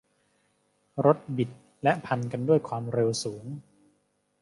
รถบิดและพันกันด้วยความเร็วสูง